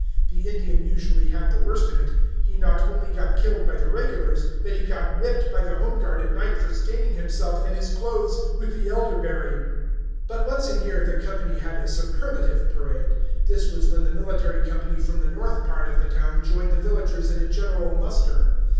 The Indian usually had the worst of it; he not only got killed by the regulars, but he got whipped by the home guard at night for staining himself and his clothes with the elderberry. But once a year the company had a superlative parade. This was when the military company from the north part of the town joined the villagers in a general muster.